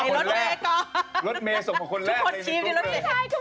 ไอ้นี่ไอ้นี่ก่อนรถเมย์ก่อนรถเมย์ส่งมาคนแรกทุกคนชีพที่รถเมย์